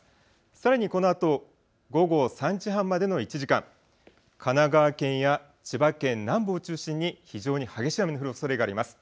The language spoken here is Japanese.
さらにこのあと午後３時半までの１時間、神奈川県や千葉県南部を中心に非常に激しい雨の降るおそれがあります。